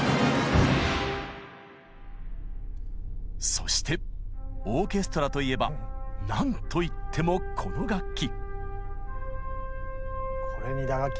そしてオーケストラといえばなんといってもこの楽器。